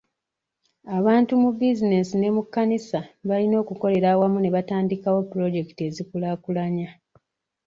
Abantu mu bizinensi ne mu kkanisa balina okukolera ewamu ne batandikawo pulojekiti ezikulaakulanya.